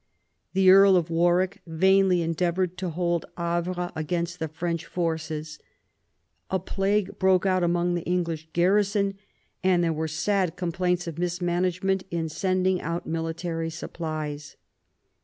The Earl of Warwick vainly endeavoured to hold Havre against the French forces. A plague broke out among the English garrison ; and there were sad complaints of mismanagement in sending out military supplies.